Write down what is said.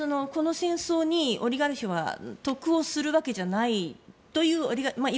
この戦争にオリガルヒは得をするわけじゃないという。